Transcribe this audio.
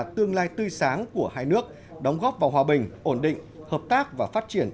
tương lai tươi sáng của hai nước đóng góp vào hòa bình ổn định hợp tác và phát triển